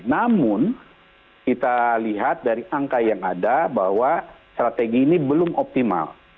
namun kita lihat dari angka yang ada bahwa strategi ini belum optimal